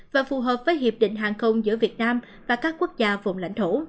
và phù hợp với hiệp định hàng không giữa việt nam và các quốc gia vùng lãnh thổ